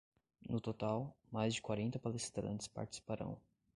No total, mais de quarenta palestrantes participarão.